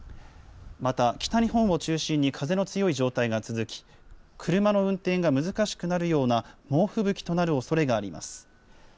また北日本を中心に風の強い状態が続き、車の運転が難しくなるような猛吹雪となるおそれがあります。